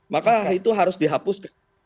maka itu harus dihapus